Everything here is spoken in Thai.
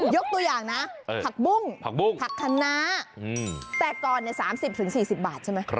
ยกตัวอย่างนะผักบุ้งผักคนะแต่ก่อนเนี่ย๓๐๔๐บาทใช่ไหม